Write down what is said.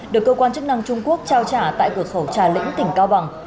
được cơ quan chức năng trung quốc trao trả tại cửa khẩu trà lĩnh tỉnh cao bằng